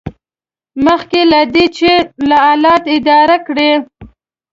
مخکې له دې چې حالات اداره کړئ.